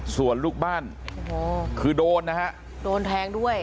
ส่วนลูกบ้านโอ้โหคือโดนนะฮะโดนแทงด้วย